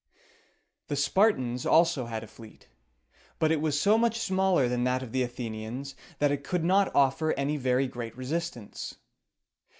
The Spartans also had a fleet; but it was so much smaller than that of the Athenians, that it could not offer any very great resistance.